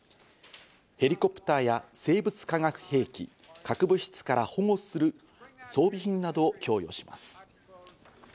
ヘリコプターや生物化学兵器・核物質から保護する装備品などを供与します。